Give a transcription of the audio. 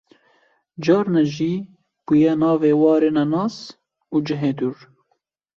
carna jî bûye navê warê nenas û cihê dûr